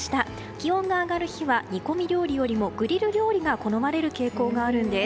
気温が上がる日は煮込み料理よりもグリル料理が好まれる傾向があるんです。